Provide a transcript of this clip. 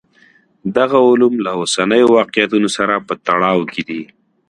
دغه علوم له اوسنیو واقعیتونو سره په تړاو کې دي.